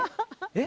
えっ？